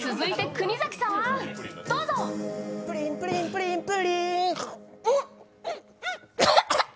プリンプリンプリンプリーン、ゴホッ！